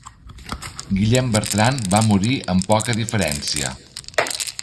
Guillem Bertran va morir amb poca diferència.